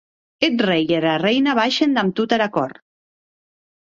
Eth rei e era reina baishen damb tota era cort.